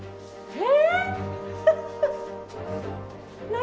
え？